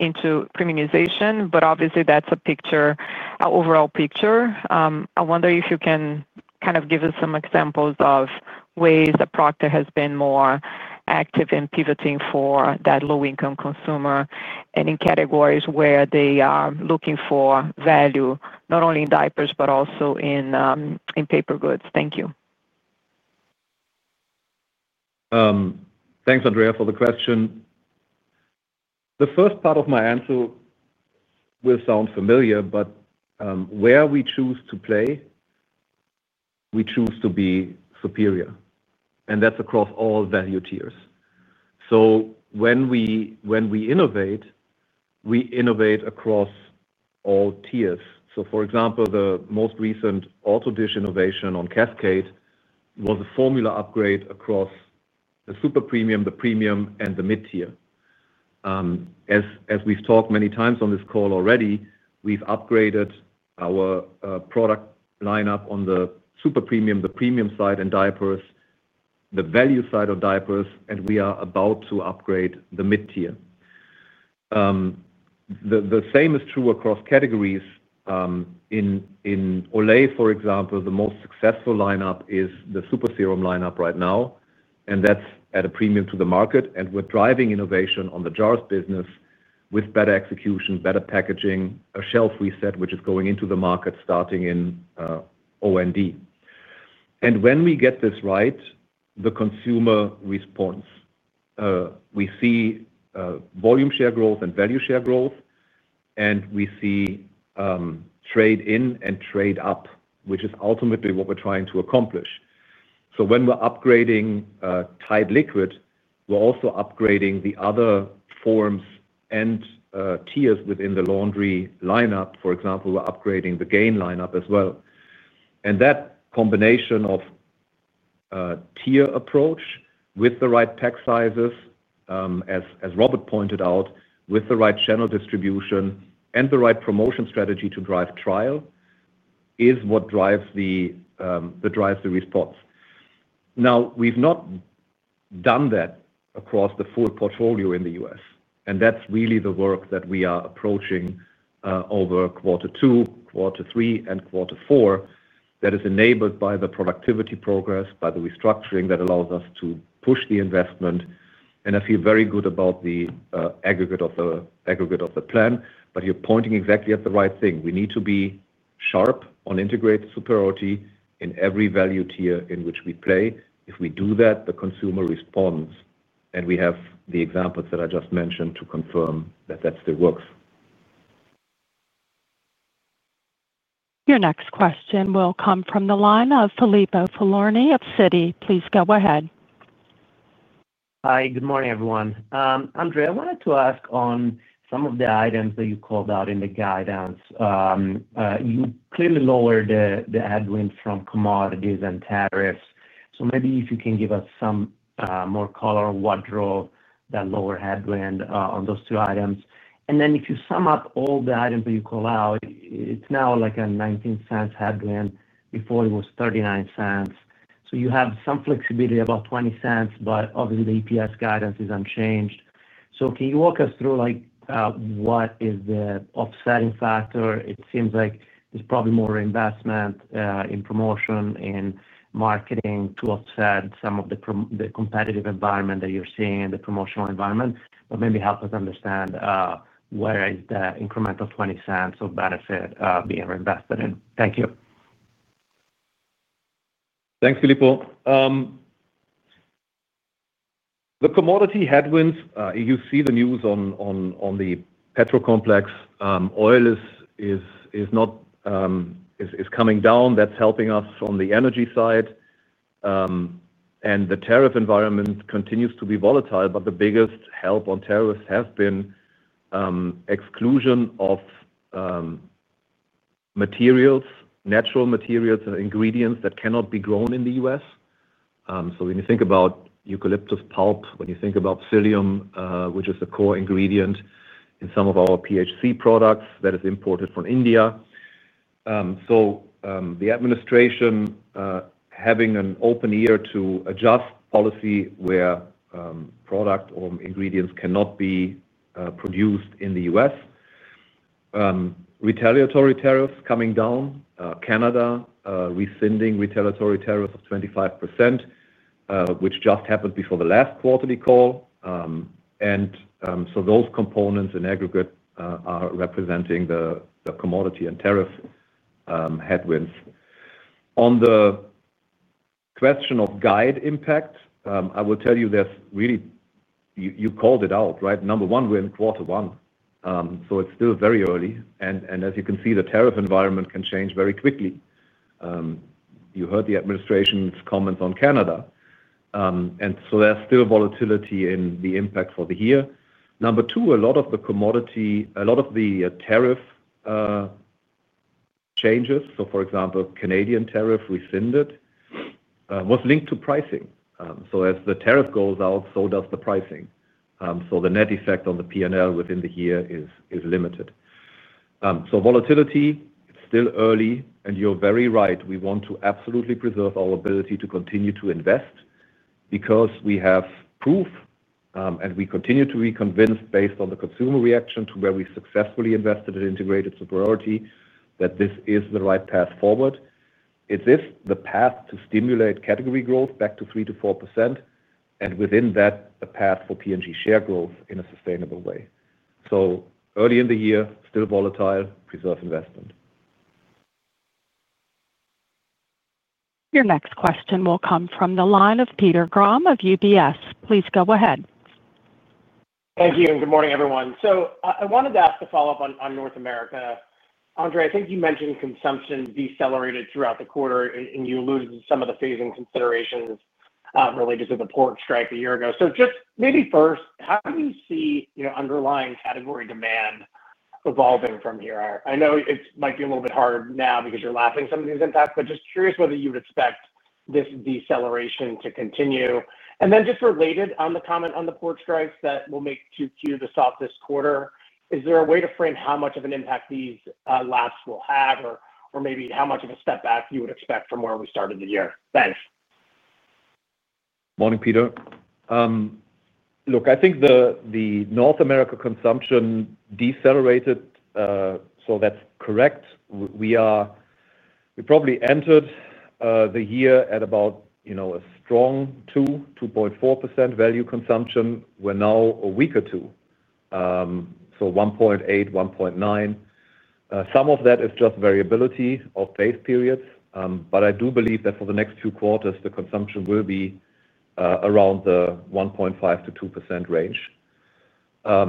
into pre-immunization, but obviously, that's a picture, an overall picture. I wonder if you can kind of give us some examples of ways a product that has been more active in pivoting for that low-income consumer and in categories where they are looking for value not only in diapers but also in paper goods. Thank you. Thanks, Andrea, for the question. The first part of my answer will sound familiar, but where we choose to play, we choose to be superior, and that's across all value tiers. When we innovate, we innovate across all tiers. For example, the most recent auto dish innovation on Cascade was a formula upgrade across the super premium, the premium, and the mid-tier. As we've talked many times on this call already, we've upgraded our product lineup on the super premium, the premium side, and diapers, the value side of diapers, and we are about to upgrade the mid-tier. The same is true across categories. In Olay, for example, the most successful lineup is the Super Serum lineup right now, and that's at a premium to the market. We're driving innovation on the jars business with better execution, better packaging, a shelf reset, which is going into the market starting in O and D. When we get this right, the consumer responds. We see volume share growth and value share growth, and we see trade-in and trade-up, which is ultimately what we're trying to accomplish. When we're upgrading Tide liquid detergent, we're also upgrading the other forms and tiers within the laundry lineup. For example, we're upgrading the Gain lineup as well. That combination of tier approach with the right pack sizes, as Robert pointed out, with the right channel distribution and the right promotion strategy to drive trial is what drives the response. We've not done that across the full portfolio in the U.S., and that's really the work that we are approaching over quarter two, quarter three, and quarter four that is enabled by the productivity progress, by the restructuring that allows us to push the investment. I feel very good about the aggregate of the plan, but you're pointing exactly at the right thing. We need to be sharp on integrated superiority in every value tier in which we play. If we do that, the consumer responds, and we have the examples that I just mentioned to confirm that that still works. Your next question will come from the line of Filippo Falorni of Citi. Please go ahead. Hi, good morning, everyone. Andre, I wanted to ask on some of the items that you called out in the guidance. You clearly lowered the headwind from commodities and tariffs. Maybe if you can give us some more color on what drove that lower headwind on those two items. If you sum up all the items that you call out, it's now like a $0.19 headwind. Before, it was $0.39. You have some flexibility, about $0.20, but obviously, the EPS guidance is unchanged. Can you walk us through what is the offsetting factor? It seems like there's probably more investment in promotion and marketing to offset some of the competitive environment that you're seeing in the promotional environment. Maybe help us understand where the incremental $0.20 of benefit is being reinvested in. Thank you. Thanks, Filippo. The commodity headwinds, you see the news on the petro complex. Oil is coming down. That's helping us on the energy side. The tariff environment continues to be volatile, but the biggest help on tariffs has been exclusion of materials, natural materials, and ingredients that cannot be grown in the U.S. When you think about eucalyptus pulp, when you think about psyllium, which is a core ingredient in some of our PHC products that is imported from India, the administration having an open ear to adjust policy where product or ingredients cannot be produced in the U.S. Retaliatory tariffs coming down. Canada rescinding retaliatory tariffs of 25%, which just happened before the last quarterly call. Those components in aggregate are representing the commodity and tariff headwinds. On the question of guide impact, I will tell you there's really, you called it out, right? Number one, we're in quarter one. It's still very early. As you can see, the tariff environment can change very quickly. You heard the administration's comments on Canada. There's still volatility in the impact for the year. Number two, a lot of the commodity, a lot of the tariff changes, for example, Canadian tariff rescinded was linked to pricing. As the tariff goes out, so does the pricing. The net effect on the P&L within the year is limited. Volatility, it's still early. You're very right. We want to absolutely preserve our ability to continue to invest because we have proof, and we continue to be convinced based on the consumer reaction to where we've successfully invested in integrated superiority that this is the right path forward. It is the path to stimulate category growth back to 3% to 4%, and within that, the path for P&G share growth in a sustainable way. Early in the year, still volatile, preserve investment. Your next question will come from the line of Peter Graham of UBS. Please go ahead. Thank you. Good morning, everyone. I wanted to ask a follow-up on North America. Andre, I think you mentioned consumption decelerated throughout the quarter, and you alluded to some of the phasing considerations related to the port strike a year ago. Just maybe first, how do you see underlying category demand evolving from here? I know it might be a little bit hard now because you're laughing at some of these impacts, but just curious whether you would expect this deceleration to continue. Related on the comment on the port strikes that will make 2Q the softest quarter, is there a way to frame how much of an impact these laps will have or maybe how much of a step back you would expect from where we started the year? Thanks. Morning, Peter. Look, I think the North America consumption decelerated, so that's correct. We probably entered the year at about a strong 2, 2.4% value consumption. We're now a week or two, so 1.8, 1.9. Some of that is just variability of phase periods, but I do believe that for the next few quarters, the consumption will be around the 1.5 to 2% range. As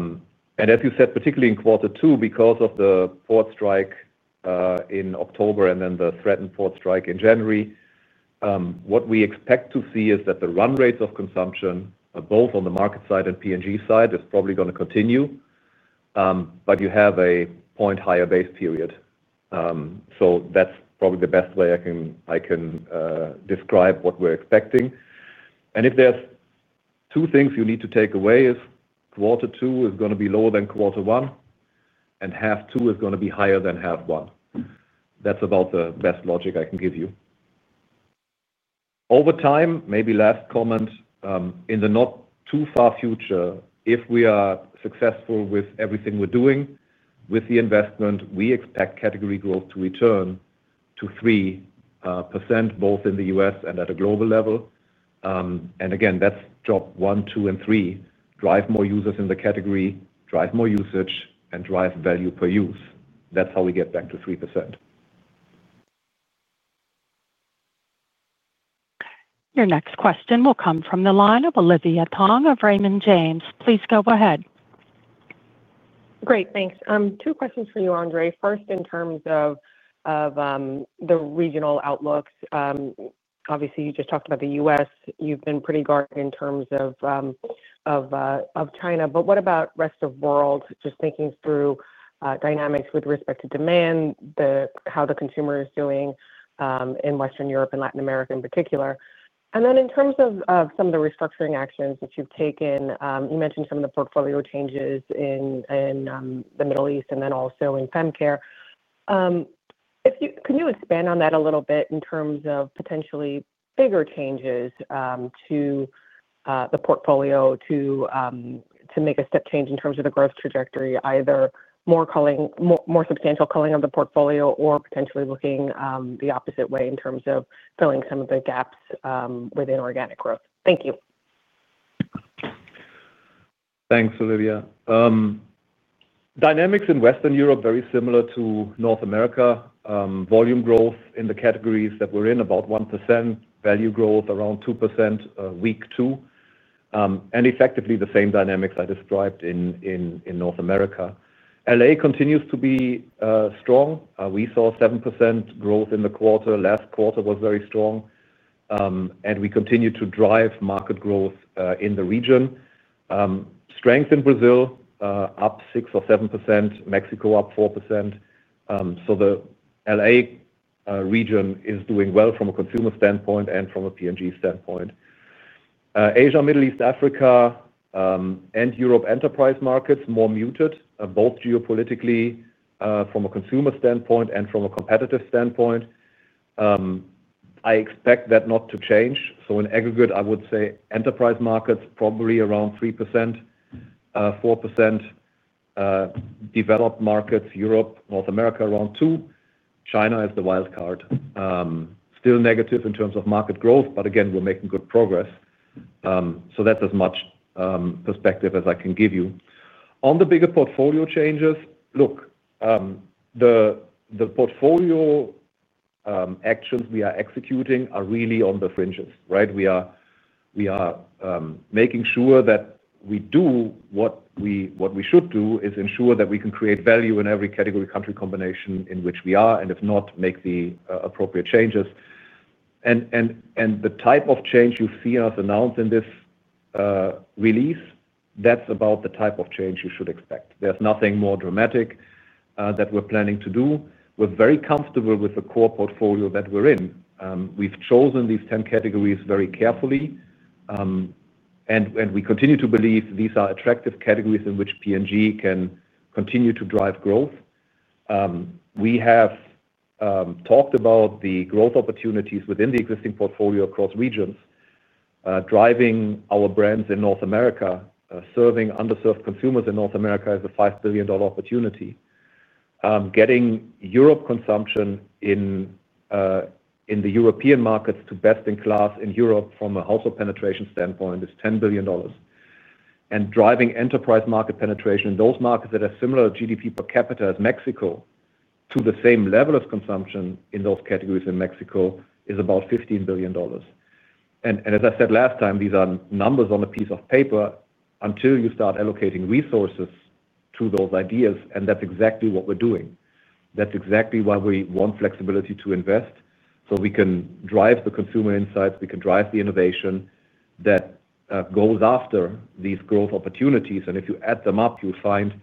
you said, particularly in quarter two, because of the port strike in October and then the threatened port strike in January, what we expect to see is that the run rates of consumption, both on the market side and P&G side, is probably going to continue, but you have a point higher base period. That's probably the best way I can describe what we're expecting. If there's two things you need to take away, quarter two is going to be lower than quarter one, and half two is going to be higher than half one. That's about the best logic I can give you. Over time, maybe last comment, in the not too far future, if we are successful with everything we're doing with the investment, we expect category growth to return to 3%, both in the U.S. and at a global level. Again, that's job one, two, and three, drive more users in the category, drive more usage, and drive value per use. That's how we get back to 3%. Your next question will come from the line of Olivia Tong of Raymond James. Please go ahead. Great, thanks. Two questions for you, Andre. First, in terms of the regional outlooks, obviously, you just talked about the U.S. You've been pretty guarded in terms of Greater China, but what about the rest of the world, just thinking through dynamics with respect to demand, how the consumer is doing in Western Europe and Latin America in particular? In terms of some of the restructuring actions that you've taken, you mentioned some of the portfolio changes in the Middle East and then also in fem care. Can you expand on that a little bit in terms of potentially bigger changes to the portfolio to make a step change in terms of the growth trajectory, either more substantial culling of the portfolio or potentially looking the opposite way in terms of filling some of the gaps within organic growth? Thank you. Thanks, Olivia. Dynamics in Western Europe, very similar to North America. Volume growth in the categories that we're in, about 1%. Value growth around 2% week two. Effectively, the same dynamics I described in North America. LA continues to be strong. We saw 7% growth in the quarter. Last quarter was very strong. We continue to drive market growth in the region. Strength in Brazil, up 6% or 7%. Mexico, up 4%. The LA region is doing well from a consumer standpoint and from a P&G standpoint. Asia, Middle East, Africa, and Europe enterprise markets, more muted, both geopolitically from a consumer standpoint and from a competitive standpoint. I expect that not to change. In aggregate, I would say enterprise markets probably around 3%, 4%. Developed markets, Europe, North America, around 2%. China is the wildcard. Still negative in terms of market growth, but again, we're making good progress. That's as much perspective as I can give you. On the bigger portfolio changes, look, the portfolio actions we are executing are really on the fringes, right? We are making sure that we do what we should do, ensure that we can create value in every category-country combination in which we are, and if not, make the appropriate changes. The type of change you've seen us announce in this release, that's about the type of change you should expect. There's nothing more dramatic that we're planning to do. We're very comfortable with the core portfolio that we're in. We've chosen these 10 categories very carefully, and we continue to believe these are attractive categories in which P&G can continue to drive growth. We have talked about the growth opportunities within the existing portfolio across regions. Driving our brands in North America, serving underserved consumers in North America is a $5 billion opportunity. Getting Europe consumption in the European markets to best in class in Europe from a household penetration standpoint is $10 billion. Driving enterprise market penetration in those markets that are similar to GDP per capita as Mexico to the same level of consumption in those categories in Mexico is about $15 billion. As I said last time, these are numbers on a piece of paper until you start allocating resources to those ideas, and that's exactly what we're doing. That's exactly why we want flexibility to invest so we can drive the consumer insights, we can drive the innovation that goes after these growth opportunities. If you add them up, you'll find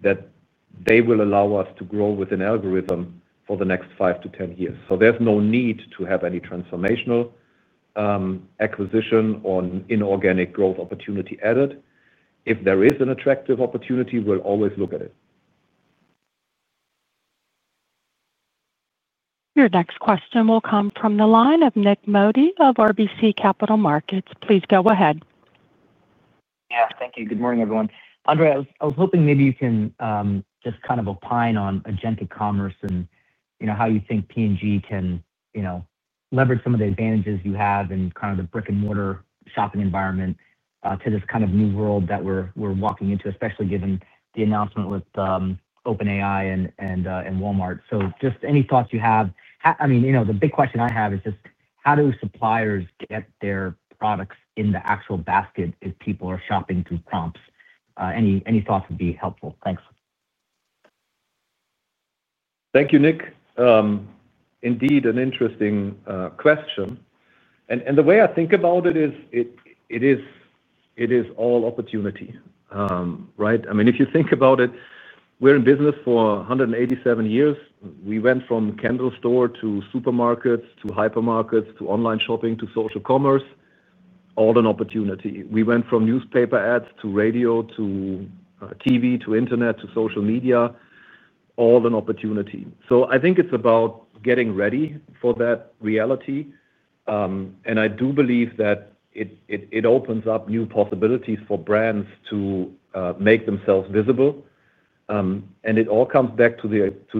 that they will allow us to grow with an algorithm for the next 5 to 10 years. There's no need to have any transformational acquisition or inorganic growth opportunity added. If there is an attractive opportunity, we'll always look at it. Your next question will come from the line of Nik Modi of RBC Capital Markets. Please go ahead. Yeah, thank you. Good morning, everyone. Andre, I was hoping maybe you can just kind of opine on agentic commerce and how you think Procter & Gamble can leverage some of the advantages you have in kind of the brick-and-mortar shopping environment to this kind of new world that we're walking into, especially given the announcement with OpenAI and Walmart. Any thoughts you have would be helpful. I mean, you know the big question I have is just how do suppliers get their products in the actual basket if people are shopping through prompts? Any thoughts would be helpful. Thanks. Thank you, Nick. Indeed, an interesting question. The way I think about it is it is all opportunity, right? I mean, if you think about it, we're in business for 187 years. We went from candle store to supermarkets to hypermarkets to online shopping to social commerce, all an opportunity. We went from newspaper ads to radio to TV to internet to social media, all an opportunity. I think it's about getting ready for that reality. I do believe that it opens up new possibilities for brands to make themselves visible. It all comes back to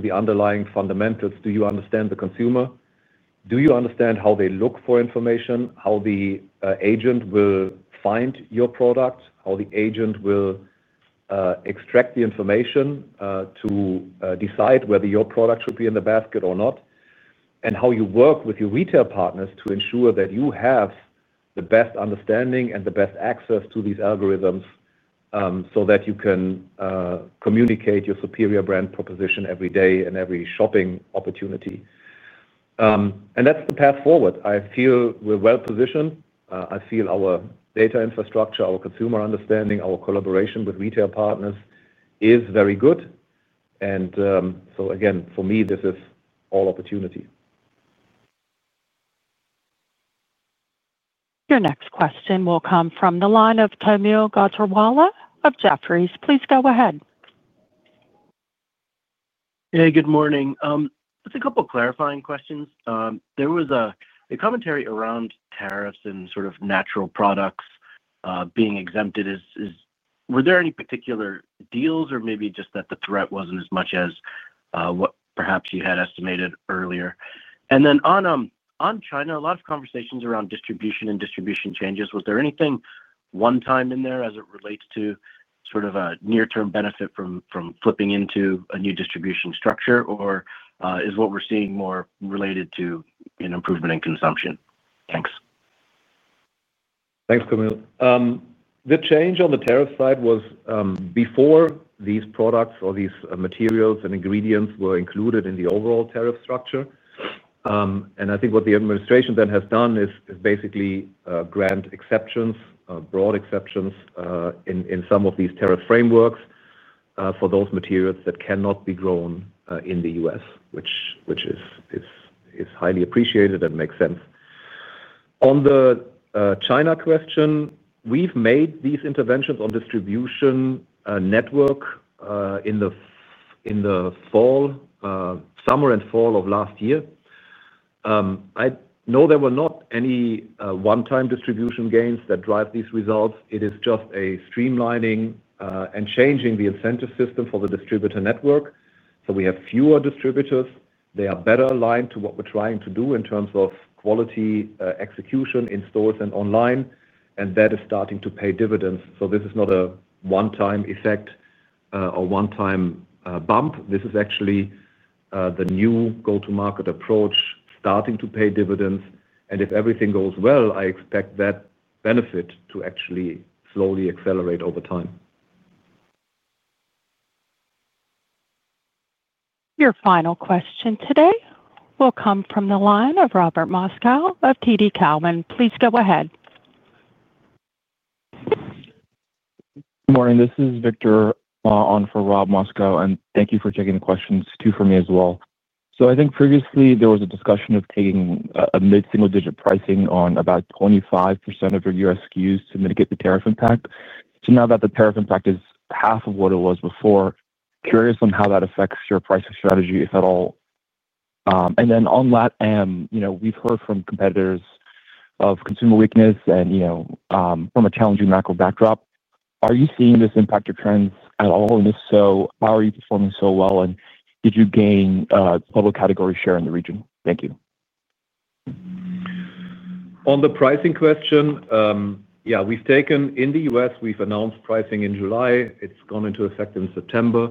the underlying fundamentals. Do you understand the consumer? Do you understand how they look for information, how the agent will find your product, how the agent will extract the information to decide whether your product should be in the basket or not, and how you work with your retail partners to ensure that you have the best understanding and the best access to these algorithms so that you can communicate your superior brand proposition every day and every shopping opportunity? That's the path forward. I feel we're well positioned. I feel our data infrastructure, our consumer understanding, our collaboration with retail partners is very good. Again, for me, this is all opportunity. Your next question will come from the line of Tomil Godswala of Jefferies. Please go ahead. Hey, good morning. Just a couple of clarifying questions. There was a commentary around tariffs and sort of natural products being exempted. Were there any particular deals or maybe just that the threat wasn't as much as what perhaps you had estimated earlier? On China, a lot of conversations around distribution and distribution changes. Was there anything one-time in there as it relates to sort of a near-term benefit from flipping into a new distribution structure, or is what we're seeing more related to an improvement in consumption? Thanks. Thanks, Tomil. The change on the tariff side was before these products or these materials and ingredients were included in the overall tariff structure. I think what the administration then has done is basically grant exceptions, broad exceptions in some of these tariff frameworks for those materials that cannot be grown in the U.S., which is highly appreciated and makes sense. On the China question, we've made these interventions on distribution network in the summer and fall of last year. I know there were not any one-time distribution gains that drive these results. It is just a streamlining and changing the incentive system for the distributor network. We have fewer distributors. They are better aligned to what we're trying to do in terms of quality execution in stores and online, and that is starting to pay dividends. This is not a one-time effect or one-time bump. This is actually the new go-to-market approach starting to pay dividends. If everything goes well, I expect that benefit to actually slowly accelerate over time. Your final question today will come from the line of Robert Moskow of TD Cowen. Please go ahead. Good morning. This is Victor on for Rob Moskow, and thank you for taking the questions for me as well. I think previously there was a discussion of taking a mid-single-digit pricing on about 25% of your U.S. SKUs to mitigate the tariff impact. Now that the tariff impact is half of what it was before, curious on how that affects your pricing strategy, if at all. On that, we've heard from competitors of consumer weakness and from a challenging macro backdrop. Are you seeing this impact your trends at all? If so, how are you performing so well, and did you gain total category share in the region? Thank you. On the pricing question, yeah, we've taken in the U.S., we've announced pricing in July. It's gone into effect in September.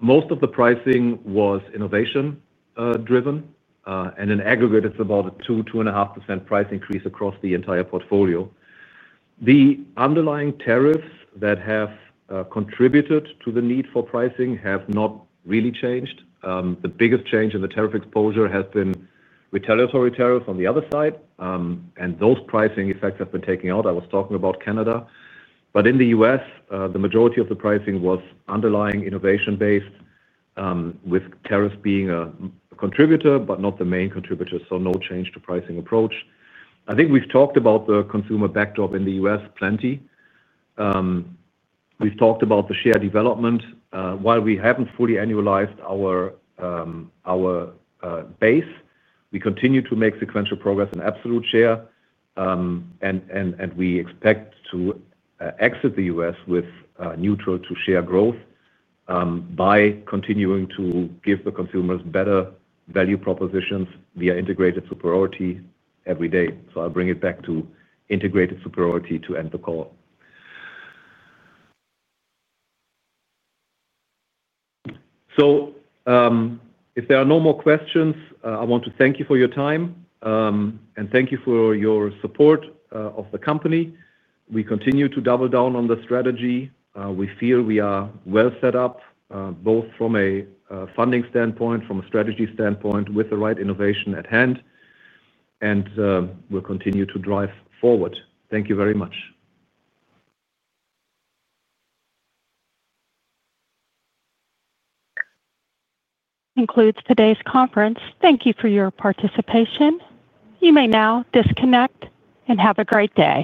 Most of the pricing was innovation-driven, and in aggregate, it's about a 2-2.5% price increase across the entire portfolio. The underlying tariffs that have contributed to the need for pricing have not really changed. The biggest change in the tariff exposure has been retaliatory tariffs on the other side, and those pricing effects have been taken out. I was talking about Canada. In the U.S., the majority of the pricing was underlying innovation-based, with tariffs being a contributor but not the main contributor. No change to pricing approach. I think we've talked about the consumer backdrop in the U.S. plenty. We've talked about the share development. While we haven't fully annualized our base, we continue to make sequential progress in absolute share, and we expect to exit the U.S. with neutral to share growth by continuing to give the consumers better value propositions via integrated superiority every day. I'll bring it back to integrated superiority to end the call. If there are no more questions, I want to thank you for your time, and thank you for your support of the company. We continue to double down on the strategy. We feel we are well set up, both from a funding standpoint, from a strategy standpoint, with the right innovation at hand, and we'll continue to drive forward. Thank you very much. That concludes today's conference. Thank you for your participation. You may now disconnect and have a great day.